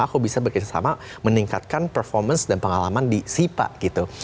aku bisa bekerja sama meningkatkan performance dan pengalaman di sipa gitu